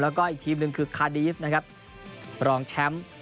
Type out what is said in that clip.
แล้วก็อีกทีมหนึ่งคือคาดีฟนะครับรองแชมป์